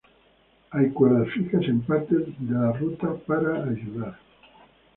Hay cuerdas fijas en partes de la ruta para ayudar.